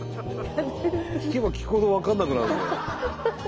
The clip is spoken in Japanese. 聞けば聞くほど分かんなくなるんだよ。